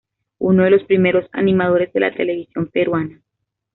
Uno de los primeros animadores de la televisión peruana.